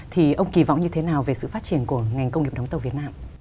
thì ông kỳ vọng như thế nào về sự phát triển của ngành công nghiệp đóng tàu việt nam